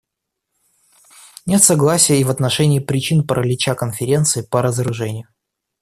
Нет согласия и в отношении причин паралича Конференции по разоружению.